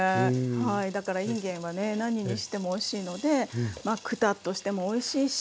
はいだからいんげんはね何にしてもおいしいのでまあクタッとしてもおいしいし。